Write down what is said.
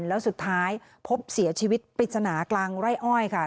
แล้วสุดท้ายพบเสียชีวิตปริศนากลางไร่อ้อยค่ะ